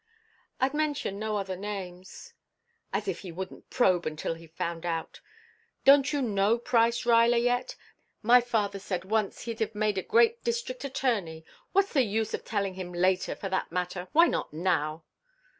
"I'd mention no other names." "As if he wouldn't probe until he found out. Don't you know Price Ruyler yet? My father said once he'd have made a great District Attorney. What's the use of telling him later, for that matter? Why not now?"